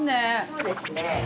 ◆そうですね。